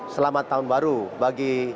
selamat tahun baru bagi